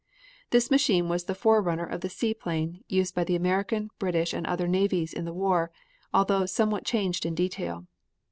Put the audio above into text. This machine was the forerunner of the seaplane, used by the American, British and other navies in the war, although somewhat changed in detail.